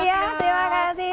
iya terima kasih